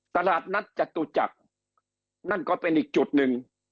ตลาดนัดจตุจักรนั่นก็เป็นอีกจุดหนึ่ง